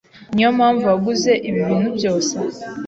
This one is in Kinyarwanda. Niyompamvu waguze ibi bintu byose?